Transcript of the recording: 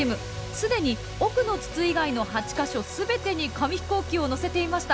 すでに奥の筒以外の８か所全てに紙ヒコーキをのせていました。